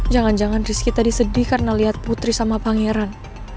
jangan jangan rizky tadi sedih karena lihat putri sama pangeran